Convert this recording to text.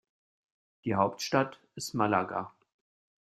Die Hauptstadt ist Málaga.